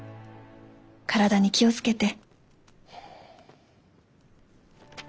体に気を付けて」。